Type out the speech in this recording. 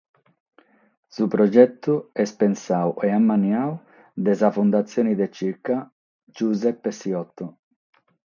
Su progetu est pensadu e ammaniadu dae sa Fundatzione de chirca “Giuseppe Siotto”.